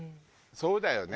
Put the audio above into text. そうだよね。